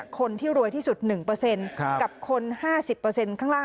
คนที่รวยที่สุด๑กับคน๕๐ข้างล่าง